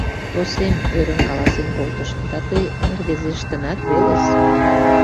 — Тосем, — ӧрын каласен колтыш, — да тый рвезештынат велыс.